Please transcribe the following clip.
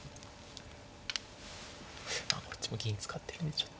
こっちも銀使ってるんでちょっと。